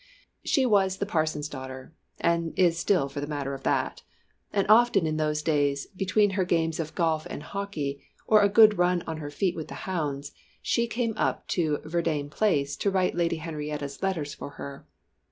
She was the parson's daughter and is still for the matter of that! and often in those days between her games of golf and hockey, or a good run on her feet with the hounds, she came up to Verdayne Place to write Lady Henrietta's letters for her.